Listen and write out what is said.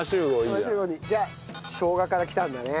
じゃあしょうがから来たんだね。